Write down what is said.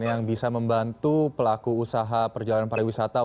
yang bisa membantu pelaku usaha perjalanan pariwisata